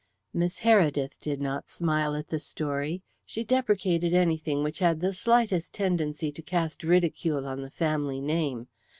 Miss Heredith did not smile at the story. She deprecated anything which had the slightest tendency to cast ridicule on the family name.